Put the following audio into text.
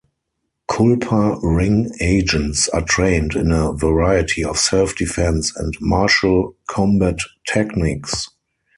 Culper Ring agents are trained in a variety of self-defense and martial combat techniques.